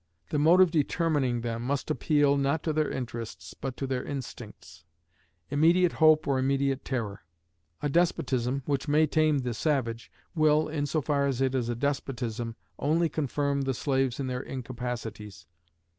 The motive determining them must appeal, not to their interests, but to their instincts; immediate hope or immediate terror. A despotism, which may tame the savage, will, in so far as it is a despotism, only confirm the slaves in their incapacities.